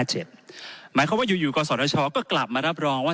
หมายความว่าอยู่กศชก็กลับมารับรองว่า